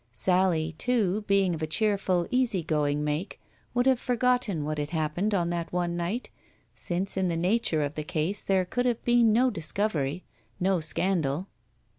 Sally, too, being of a cheerful, easy going make, would have forgotten what had hap pened on that one night, since in the nature of the case there could have been no discovery, no scandal.